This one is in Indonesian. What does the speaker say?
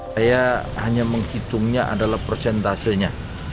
saya hanya menghitungnya adalah persentasenya